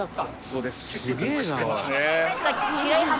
そうです。